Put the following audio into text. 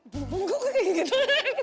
bumbu gue kayak gitu